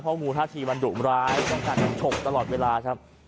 เพราะงูท่าทีมันดุมร้ายต้องการกำชกตลอดเวลาครับ